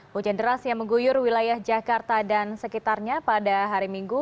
hujan deras yang mengguyur wilayah jakarta dan sekitarnya pada hari minggu